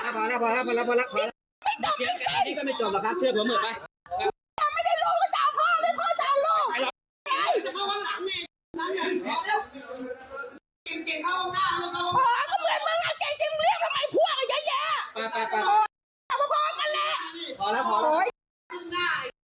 พ่อก็เหมือนมึงอ่ะเจ็นจริงเรียกทำไมพ่อกันเยอะ